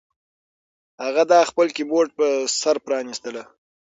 هغه دا د خپل کیبورډ په سر پرانیستله